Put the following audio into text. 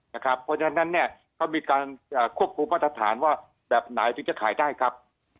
เพราะฉะนั้นเขามีการควบคุมมาตรฐานว่าแบบไหนถึงจะขายได้ครับ